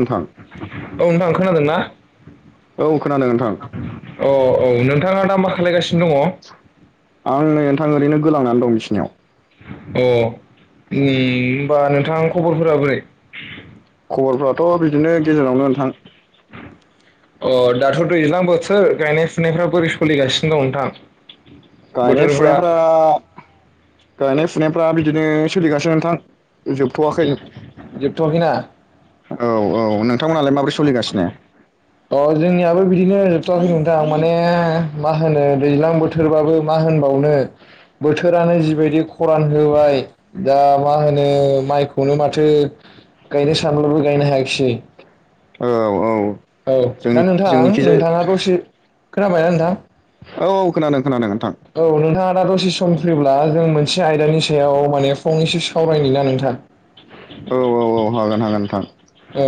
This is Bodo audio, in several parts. नोंथां औ नोंथां खोनादों ना? औ खोनादों नोंथां अ औ नों थाङा दा मा खालायगासिनो दङ? नै नोंथां आं ओरैनो गोलांना दं बिसिनायाव। अ उम होमबा नोंथां खबरफोरा बोरै? खबरफ्राथ' बिदिनो गेजेरावनो नोंथां अ दाथ' दैज्लां बोथोर गायनाय फुनायफ्रा बोरै सोलिगासिनो दं नोंथां? गायनाय बोथोरफ्रा फुनायफ्रा गायनाय फुनायफ्रा बिदिनो सोलिगासिनो नोंथां। जोबथ'वाखै औ जोबथ'वाखैना औ नोंथांमोनालाय माब्रै स सलिगासिनो अ जोंनियाबो बिदिनो जोबथ'वाखै नोंथां माने मा होनो दैज्लां बोथोरबाबो मा होनबावनो बोथोरानो जिबायदि खरान होबाय दा मा होनो माइखौनो माथो गायनो सानब्लाबो गायनो हायाखिसै। औ औ औ जोंनि दा नोंथां जोंनिखिजाय नोंथाङा दसे खोनाबायना नोंथां? औ औ खोनादों खोनादों नोंथां अब्ला दसे सम फैब्ला जों मोनसे आयदानि सायाव माने फंनैसो सावरायनो ना नोंथां। औ औ औ हागोन हागोन नोंथां। ओ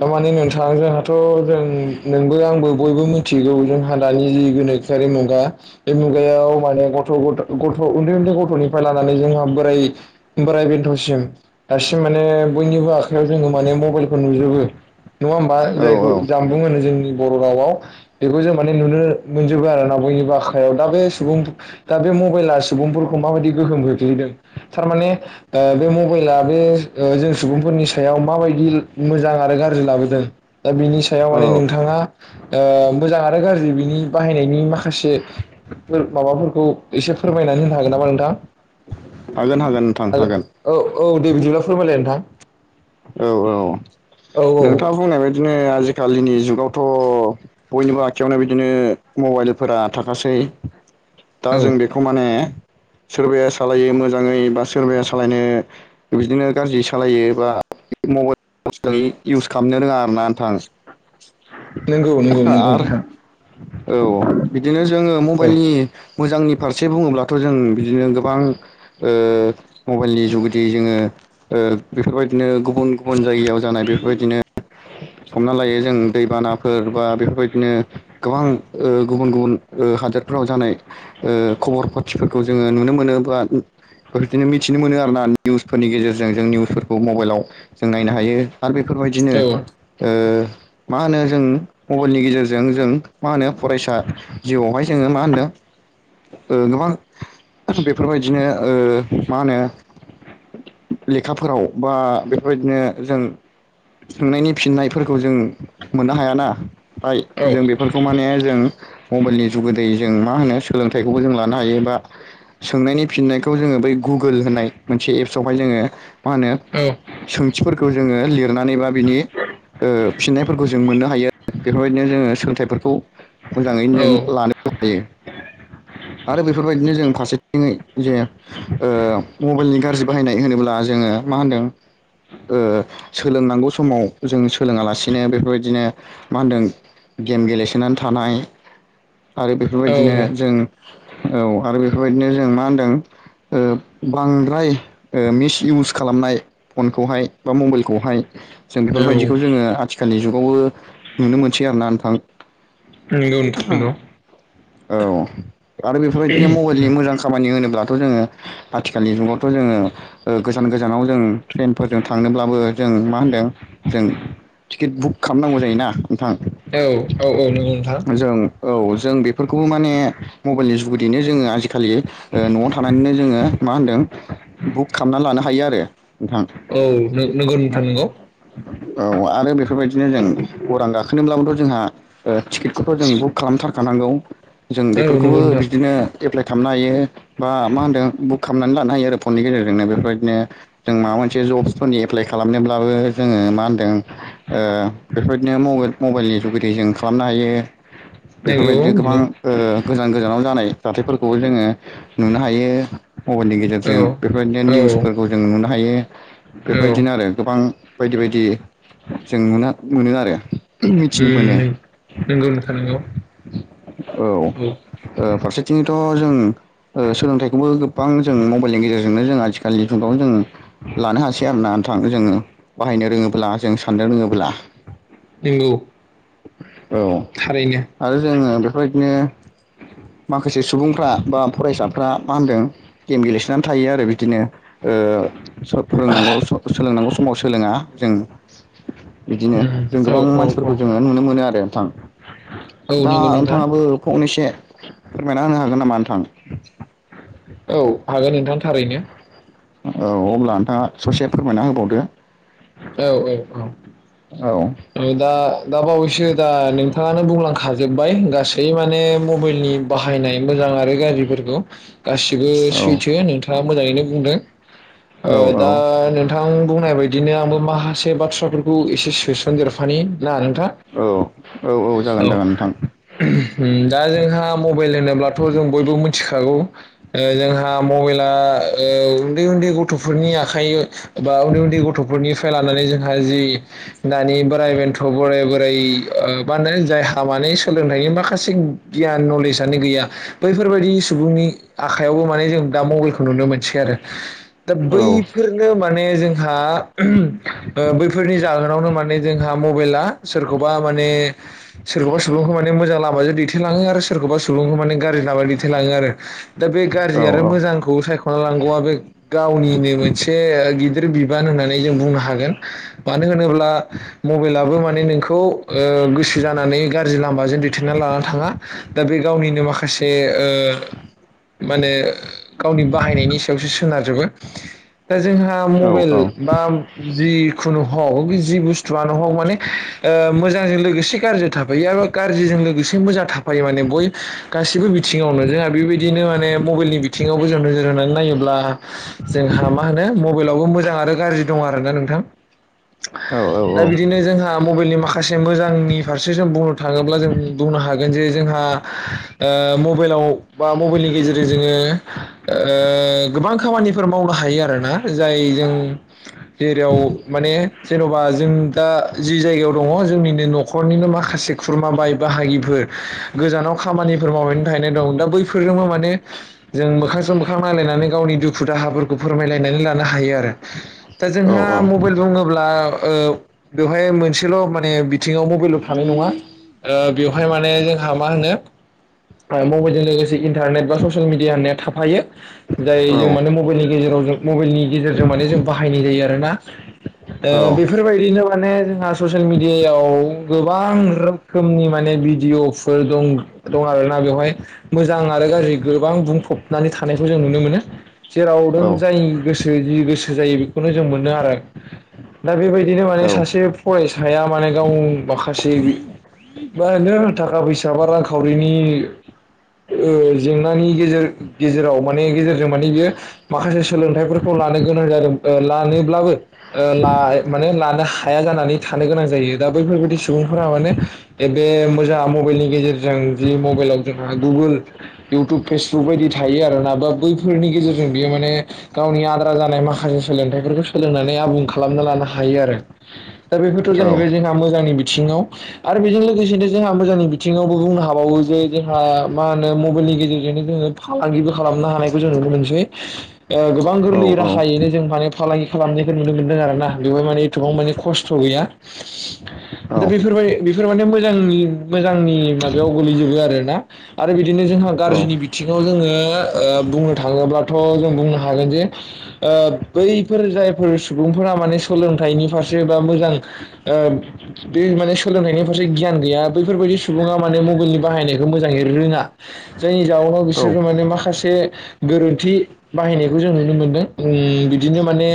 थारमाने नोंथाङा जोंहाथ' जों नोंबो आंबो बयबो मिथिगौ जोंहा दानि गोनोखोआरारि मुगा बे मुगायाव माने गथ' गथ'गन्दै उन्दै गथ'निफ्राय लानानै जोंहा बोराय बोराय बेन्थ'सिम दासिम माने बयनिबो आखायाव जोङो माने मबाइलखौ नुजोबो नङा होमबा औ जायखौ औ जामबुं होनो जोंनि बर' रावाव बेखौ जों माने नुनो मोनजोबो आरोना बयनि बाखायाव दा बे सुबुं दा बे मबाइला सुबुंफोरखौ माबायदि गोहोम गोख्लैदों थारमाने ओ बे मबाइला बे ओ जों सुबुंफोरनि सायाव माबायदि मोजां आरो गाज्रि लाबोदों दा बिनि सायाव औ माने नोंथाङा ओ मोजां आरो गाज्रि बिनि बाहायनायनि माखासे माबाफोरखौ एसे फोरमाय ना होनो हागोन नामा नोंथां? हागोन हागोन नोंथां हागोन औ औ दे बिदिब्ला फोरमायलाय नोंथां। औ औ औ औ नोंथाङा बुंनाय बायदिनो आजिखालिनि जुगावथ' बयनिबो आखायाव नो बिदिनो दा औ जों बेखौ माने सोरबाया सालायो मोजाङै बा सोरबाया सालायनो बिदिनो गाज्रि सालायो बा मबाइल इउस खालामनो रोङा आरोना नोंथां नंगौ नंगौ नंगौ आरो नोंथां औ बिदिनो जोङो औ मबाइलनि मोजांनि फारसे बुङोब्लाथ' जों बिदिनो गोबां ओ मबाइलनि जुगेदि जोङो ओ गुबुन जायगायाव जानाय बेफोरबायदिनो हमना लायो दैबानाफोर बा बेफोरबायदिनो गोबां ओ गुबुन गुबुन ओ हादोरफोराव जानाय ओ खबर पाथिफोरखौ जोङो नुनो मोनो बा बेफोरदिनो मिथिनो मोनो आर ना निउसफोरनि गेजेरजों जों निउसफोरखौ मबाइलाव जों नायनो हायो आरो बेफोरबायदिनो औ औ ओ होनो जों मबाइलनि गेजेरजों जों मा होनो फरायसा जिउआवहाय जोङो मा होनदों ओ गोबां बेफोरबायदिनो ओ मा होनो लेखाफोराव बा बेफोरबायदिनो जों सोंनायनि फिननायफोरखौ जों मोननो हायाना फाय औ जों बेफोरखौ माने जों मबाइलनि जुगोदै जों मा होनो स फिथाइखौबो जों लानो हायो बा सोंनायनि फिननायखौ जोङो बै गुगोल होननाय मोनसे एप्सआवहाय जोङो मा होनो सोंथिफोरखौ जोङो लिरनानै बा बिनि ओ फिननायफोरखौ जों मोननो हायो बेफोरबायदिनो जोङो सोलोंथाइफोरखौ मोजाङैनो औ जों लानो हायो। [inaudible] आरो बेफोरबायदिनो जों फारसेथिङै जे ओ मबाइलनि गाज्रि बाहायनाय होनोब्ला जोङो मा होनदों? ओ सोलोंनांगौ समाव जों सोलोङालासिनो बेफोरबायदिनो मा होनदों? गेम गेलेसोनानै थानाय आरो औ बेफोरबायदिनो जों औ आरो बेफोरबायदिनो जों मा होनदों? ओ बांद्राय मिसइउस खालामनाय फनखौहाय बा मबाइलखौहाय जों औ बेफोरबायदिखौ जोङो आथिखालनि जुगावबो नुनो मोनसै आरोना नोंथां? नोंगौ नोंगौ औ आरो बेफोरबायदिनो मबाइलनि मोजां खामानि होनो ब्लाथ' जोङो आथिखालनि जुगावथ' जोङो गोजान गोजानाव जों ट्रेनफोरजों थांनोब्लाबो जों मा होन्दों जों टिकेट बुक खालामनांगौ जायोना? नोंथां औ औ औ नंगौ नोंथां जों औ जों बेफोरखौबो माने मबाइलनि जुगिदिैनो जोङो आजिखालि ओ न'आव थानानैनो जोङो मा होन्दों? बुक खालामनानै लानो हायो आरो नोंथां औ नोगौ नोंथां नंगौ। औ आरो बेफोरबायदिनो जों उरां गाखोनोबब्लाबोथ' जोंहा टिकेटखौथ' जों बुक खालामथारखा नांगौ। जों बेफोरखौबो नंगौ नोंथां बिदिनो एप्लाइ खालामनो हायो बा मा होनदों बुक खालामनानै लानो हायो आरो फननि गेजेरजोंनो बेफोरबायदिनो जों माबा मोनसे जब्सफोरनि एप्लाइ खालामनोब्लाबो जोङो मा होनदों ओ बेफोरबायदिनो म मबाइलनि ज गिदै जों खालामनो हायो नंगौ बेफोरबायदिनो नंगौ गोबां जानाव जानाय जाथायफोरखौ जोङो नुनो हायो। मबाइलनि गेजेरजों बेफोरबायदिनो औ औ निउसफोरखौ जों नुनो हायो। औ बेबायदिनो आरो गोबां बायदि बायदि जों नु मोनो आरो मिथिनो उम मोनो नों-नंगौ नोंथां नोंगौ। औ ओ फारसेथिं थ जों ओ सोलोंथाइखौबो गोबां जों मबाइलनि गेजेरजोंनो जों आथिखलिनि जुगाव जों लानो हासै आरोना? थानो जोङो बाहायनो रोङोब्ला जों साननो रोङोब्ला नोंगौ। औ आरो जोङो बेफोरबायदिनो माखासे सुबुंफ्रा बा फरायसाफ्रा मा होनदों गेम गेलेसोनानै थायो आरो बिदिनो ओ फोरोंनांगौ सोलोंनांगौ समाव सोलोंङा जों बिदिनो उम जों औ गोबां औ मानसिफोरखौ जोङो नुनो मोनो आरो नोंथां। औ नंगौ नोंथां। नोंथांङाबो फंनैसो फोरमायना होनो हागोन नामा नोंथां? औ हागोन नोंथां थारैनो। औ अब्ला नोंथांङा ससे फोरमायना होबावदो औ औ औ औ दा दा बावैसो दा नोंथांङानो बुंलांखाजोबबाय गासै माने मबाइलनि बाहायनाय मोजां। मोजां आरो गाज्रिफोरखौ गासिबो औ सैथो नोंथांङा मोजाङैनो बुंदों औ औ दा नोंथां बुंनाय बायदिनो आंबो माखासे बाथ्राफोरखौ एसे सोसनदेरफानि ना नोंथां औ औ जागोन औ जागोन नोंथां उम [unintelligible] दा जोंहा मबाइल होनोब्लाथ जों बयबो मोन। मिथिखागौ जोंहा मबाइला ओ उन्दै उन्दै गथफोरनि आखाइ बा उन्दै उन्दै गथफोरनि लानानै जोंहा जि दानि बोराइ बेन्थ बोराय बोराय ओ माने जायहा मा सोलोंथाइनि माखासे गियान नलेज आनो गैया बैफोरबायाददि सुबुंनि आखायावबो माने जों दा मबाइलखौ नुनो मोनसै आरो दा औ बैफोरनो माने जोंहा बैफोरनि जाहोनावनो माने जों जोंहा मबाइला सोरखौबा माने सोरखौबा सुबुंखौ माने मोजां लामाजों दैथेलाङो आरो सोरखौबा सुबुंखौ माने [unintelligible] दैथायलांङो आरो दा बे औ गाज्रि आरो मोजांखौ सायखना लांगौआ बे गावनिनो मोनसे गिदिर बिबान होननानै जों बुंनो हा मानो होनोबा मबाइल आबो माने नोंखौ ओ गोसो जानानै गारजि लामा माजों दैथेनना लाना थांङा दा बे गावनिनो माखासे ओ माने गावनि बाहायनायनि सायावसो सोनारजोबो दा जोंहा औ मबाइल औ बा खुनु ह जि बुस्थुआनो ह माने ओ मोजांजों लोगोसे गाज्रि थाफायो आरो गाज्रि लोगोसे मोजां थाफायो माने ब गासिबो बिथिङावनो जोंहा बेबायदिनो माने मबाइलनि बिथिंङाव मोजां नोजोर होनानै नायोब्ला जोंहा मा होनो मबाइल आवबो मोजां आरो गाज्रि दं आरो [unintelligible] नोंथां दा बिदिनो जोंहा मबाइलनि माखासे मोजांनि फारसे जों बुंनो थांङोब्ला जों बुंनो हागोन जे जोंहा ओ मबाइलाव बा मबाइलनि गेजेरजों जोङो ओ गोबां खामानिफोर मावनो हायो आरोना जाय जों जेराव माने जेनबा जों दा जि जायगायाव दङ जोंनिनो नखरनिनो माखासे खुरमा बाय बाहागिफोर गोजानाव खामानिफोर मावनानै थाहैनाय दं दा बैफोरजोंबो माने जों मोखांजों मोखां नायलाय गावनि दुखु दाहा फोरखौ फोरमायलायनानै लानो हायो आरो दा जोंहा मबाइल बुं अब्ला ओ बेवहाय मोनसेल माने बिथिंङाव मबाइल थानाय नङा ओ बेवहाय माने जोंहा मा होनो मबाइलजों लोगोसे इन्टारनेट बा ससियेल मिडिया होननाया थाफायो जाय जों मानोे मबाइलनि गेजेरजों मबाइलनि गेजेरजों माने जों बाहायनाय जायो आरोना दा बेफोरबायदिनो माने जोंहा ससियेल मिडियायाव गोबां रोखोमनि माने भिडियफोर दं दं आरोना बेवहाय मोजां आरो गाज्रि गोबां बुंफबनानै थानायखौ जों नुनो मोनो जेराव दाउदों जाय गोसो जि गोसो जायो बेखौनो जों मोनो आरो दा बेबायदिनो माने सासे फरायसाया माने गाव माखासे बा नो थाखा फैसा बा रांखावरिनि ओ जेंनानि गेजेर गेजेराव माने गेजेरजों माने बियो माखासे सोलोंथाइ फोरखौ। लानो गोनां जादों। ओ लानोब्लाबो ओ‌ ला माने लानो हाया जानानै थानो गोनां जायो दा बैफोरबायदि सुबुं फोरा माने गेदे मोजां मबाइलनि गेजेरजों जि मबाइलाव जोंहा गुबुन इउटुब फेसबुक बायदि थायो आरो ना। बा बैफोरनि गेजेरजों बियो माने गावनि आद्रा जानाय माखासे सोलोंथाइफोरखौ सोलोंनानै आबुं खालामना लानो हायो। आरो दा बेफोरथ' जाहैबाय औ जोंहा मोजांनि बिथिं। याव आरो बेजों लोगोसेनो जोंहा मोजांनि बिथिङावबो बुंनो हाबावो जे जोंहा मा होनो मबाइलनि जे जोंनो जोङो फालांगिबो खालामनो हानायखौ जों नुनो मोनसै। गोबां गोरलै राहायैनो जों माने फालांगि खालामनायखौ नुनो मोनदों आरो ना। बेवहाय माने एसेबां माने खस्थ' गैया। औ दा बेफोरबाय बेफोर माने मोजांनि मोजांनि माबायाव गोलैजोबो आरो ना। आरो बिदिनो जोंहा नंगौ गाज्रिनि बिथिङाव जोङो ओ बुंनो थाङोब्लाथ' जों बुंनो हागोन जे। ओ बैफोर जायफोर सुबुंफोरा मान सोलोंथाइनि फारसे बा मोजां ओ बे बे माने सोलोंथाइनि फारसे गियान गैया बैफोरबायदि सुबुङा माने मबाइलनि बाहायनायखौ मोजाङै रोङा। जायनि जाउनाव बिसोरखौ माने माखासे गोरोन्थि बाहायनायखौ जों नुनो मोनदों। जोंनि बि बिदिनो माने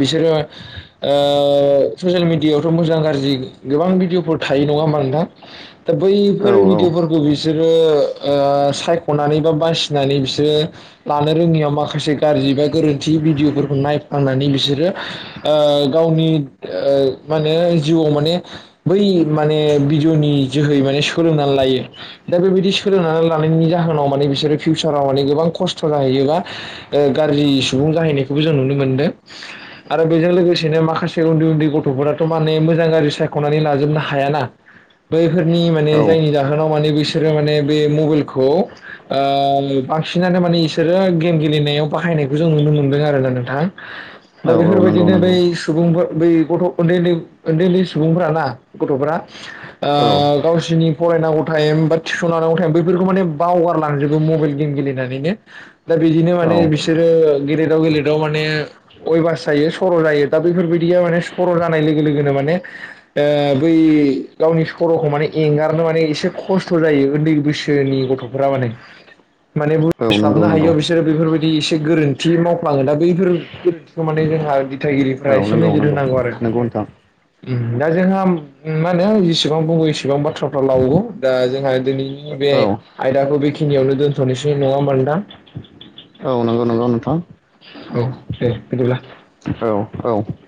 बिसोरो ओ ससियेल मिडियायावथ' मोजां गाज्रि गोबां भिडिय'फोर थायो। नङा होमबा नोंथां। दा बैफोर भिडअफोरखौ बिसोरोओ सायख'नानै बा बासिनानै बिसोरो लानो रोङैयाव माखासे गाज्रि बा गोरोन्थि दि भिडिअफोरखौ नायफ्लांनानै बिसोरो ओ गावनि ओ मेने जिउ' माने बै माने बिजनि जोहै माने सोलोंनानै लायो दा बेबायदि सोलोंना थानानै लानायनि लानायनि जाहोनाव बिसोरो फिउसारा मानि गोबां खस्थ जाहैयो ब्ला ओ गारजि सुबुं जाहैनायखौबो जों नुनो मोनदों आरो बेजों लोगोसेनो माखासे उन्दै उन्दै गथ'फोराथ' माने मोजां गाज्रि सायख'नानै लाजोबनो हायाना। बैफोरनि माने जायनि जाहोनाव माने बिसोरो माने बे मबाइलखौ ओ बांसिनानो माने इसोरो गेम गेलेनायाव बाहायनाय खौ जों नुनो मोनदों आरो ना नोंथां। दा बेफोरबायदिनो बै नंगौ सुबुंफोर बै गथ' उन्दैन्दै उन्दै-उन्दै सुबुंफ्राना गथ'फ्रा ओ औ गावसिरनि फरायनांगौ टाइम बा टिउसन लानांगौ टाइम बेफोरखौ माने बावगारलांजोबो मबाइल गेम गेलेनानैनो दा बे दिनो औ माने बिस सोरो गेलेदाव गेलेदाव माने अयभास जायो सर' जायो दा बेफोरबायदिया माने सर' जानाय लोगोनो माने ओ बै गावनि सर'खौ माने एंगारनो मान एसे खस्थ' जायो उन्दै बैसोनि गथ'फोरा माने माने औ नंगौ बुस्लाबनो हायो नंगौ बिसोरो बेफोरबायदि एसे गोरोन्थि मावफ्लाङो दा बैफोर गोरोन्थिखौ माने जोंहा दिथाइागिरिफ औ एसे नंगौ नोजोर नंगौ होनांगौ आरो। नंगौ नोंथां उम' दा जोंहा मा होनो जेसेबां बङो एसेबां बाथ्राफ्रा लवो दा जोंहा दि नैनि बे औ आयदाखौ बेखिनियावनो दोनथ'नोसै नङा होमबान नोंथां। औ। औ दे बिदिब्ला औ-औ। [inaudible]